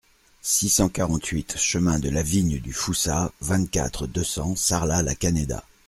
six cent quarante-huit chemin de la Vigne du Foussat, vingt-quatre, deux cents, Sarlat-la-Canéda